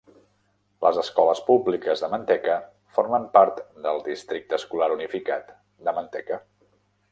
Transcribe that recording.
Les escoles públiques de Manteca formen part del districte escolar unificat de Manteca.